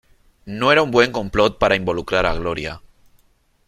¡No era un buen complot para involucrar a Gloria!